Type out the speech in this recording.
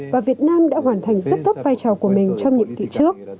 và việt nam đã hoàn thành rất tốt vai trò của mình trong nhiệm kỳ trước